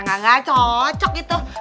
tidak cocok itu